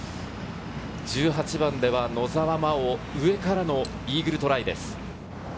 １８番では野澤真央、上からのイーグルトライです。